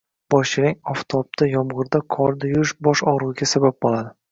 Boshyalang oftobda, yomg‘irda, qorda yurish bosh og'rig'iga sabab bo'ladi.